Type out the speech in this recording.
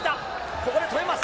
ここで止めます。